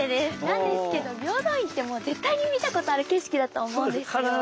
なんですけど平等院って絶対に見たことある景色だと思うんですよ。